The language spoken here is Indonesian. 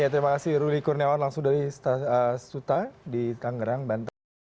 terima kasih ruli kurniawan langsung dari stasuta di kanggerang banteng